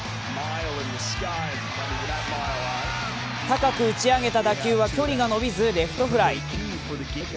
高く打ち上げた打球は距離が伸びず、レフトフライ。